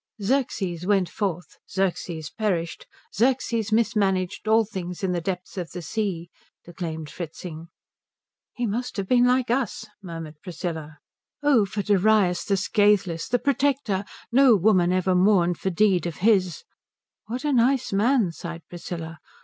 "'Xerxes went forth, Xerxes perished, Xerxes mismanaged all things in the depths of the sea '" declaimed Fritzing. "He must have been like us," murmured Priscilla. "'O for Darius the scatheless, the protector! No woman ever mourned for deed of his '" "What a nice man," sighed Priscilla.